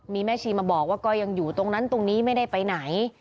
มีแม่ชีมาบอกว่าก็ยังอยู่ตรงนั้นตรงนี้ไม่ได้ไปไหน